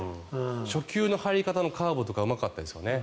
初球の入り方のカーブとかうまかったですよね。